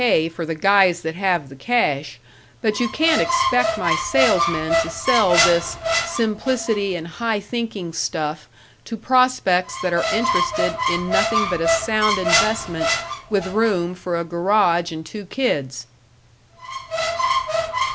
K. for the guys that have the cash, but you can't expect my salesmen to sell this Simplicity and High Thinking stuff to prospects that are interested in nothing but a sound investment with room for a garage and two kids."